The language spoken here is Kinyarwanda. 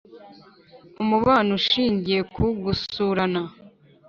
umubano ushingiye ku gusurana